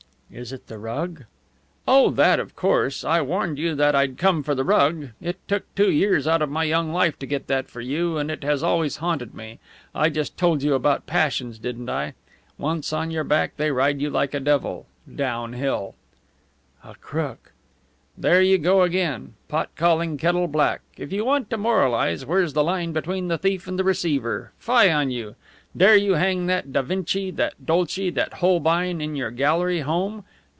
"Is it the rug?" "Oh, that, of course! I warned you that I'd come for the rug. It took two years out of my young life to get that for you, and it has always haunted me. I just told you about passions, didn't I? Once on your back, they ride you like the devil down hill." "A crook." "There you go again pot calling kettle black! If you want to moralize, where's the line between the thief and the receiver? Fie on you! Dare you hang that Da Vinci, that Dolci, that Holbein in your gallery home?